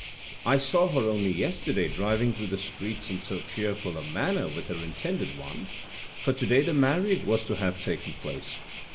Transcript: I saw her only yesterday driving through the streets in so cheerful a manner with her intended one, for to day the marriage was to have taken place."